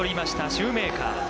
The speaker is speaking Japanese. シューメーカー。